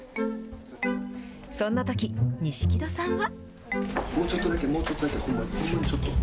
そんなとき、錦戸さんは。